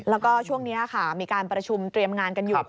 แล้วก็ช่วงนี้ค่ะมีการประชุมเตรียมงานกันอยู่